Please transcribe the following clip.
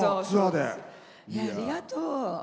ありがとう。